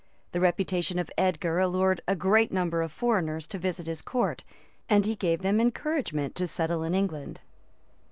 The reputation of Edgar allured a great number of foreigners to visit his court; and he gave them encouragement to settle in England.